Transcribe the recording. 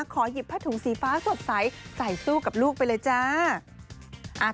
หยิบผ้าถุงสีฟ้าสดใสใส่สู้กับลูกไปเลยจ้า